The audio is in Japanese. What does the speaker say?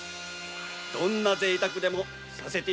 どんなぜいたくでもさせてやるぞ。